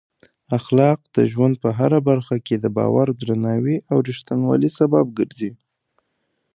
اخلاق د ژوند په هره برخه کې د باور، درناوي او رښتینولۍ سبب ګرځي.